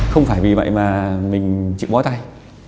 không phải vì vậy mà mình chịu bó tay